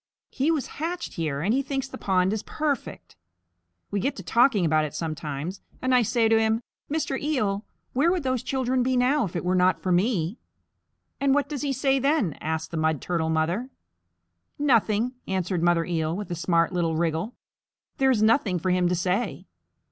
He was hatched here, and thinks the pond perfect. We get to talking about it sometimes, and I say to him, 'Mr. Eel, where would those children be now if it were not for me?'" "And what does he say then?" asked the Mud Turtle Mother. "Nothing," answered Mother Eel, with a smart little wriggle. "There is nothing for him to say.